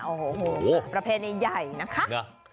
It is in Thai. โอ้โหประเพณีใหญ่นะคะ